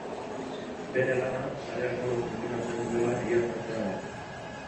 Bere lana sareak ondo funtzionatzen duela egiaztatzea da.